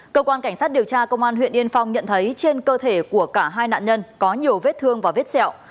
cơ quan cảnh sát điều tra công an huyện yên phong nhận thấy trên cơ thể của cả hai nạn nhân có nhiều vết thương và vết xẹo